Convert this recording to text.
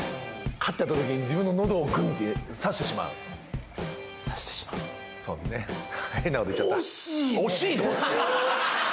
カッってやったときに自分の喉をグッて刺してしまう刺してしまうそんなね変なこと言っちゃった惜しいの？